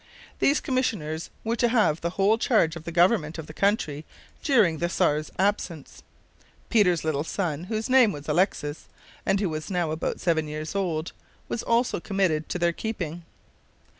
These commissioners were to have the whole charge of the government of the country during the Czar's absence. Peter's little son, whose name was Alexis, and who was now about seven years old, was also committed to their keeping.